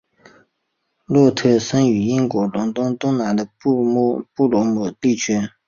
洛特生于英国伦敦东南的布罗姆利区。